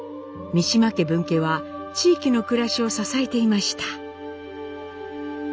三島家分家は地域の暮らしを支えていました。